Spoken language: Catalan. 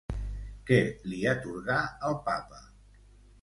Què li atorgà el papa?